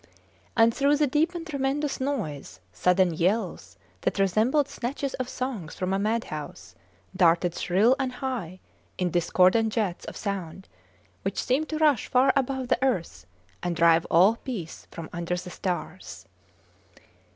And through the deep and tremendous noise sudden yells that resembled snatches of songs from a madhouse darted shrill and high in discordant jets of sound which seemed to rush far above the earth and drive all peace from under the stars.